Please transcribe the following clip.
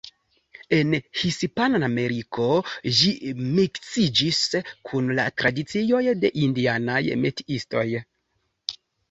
En Hispanameriko, ĝi miksiĝis kun la tradicioj de indianaj metiistoj.